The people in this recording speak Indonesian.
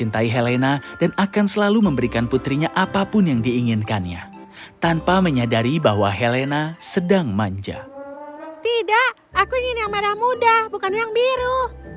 tidak ingin yang merah muda bukan yang biru